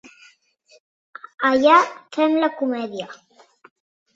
Allà fem la comèdia.